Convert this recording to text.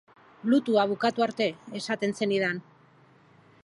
Lutua bukatu arte, esaten zenidan.